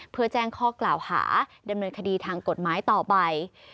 เพื่อแจ้งข้อกล่าวหาดำเนินคดีทางกฎหมายต่อไป